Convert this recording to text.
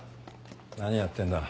何やってんだ。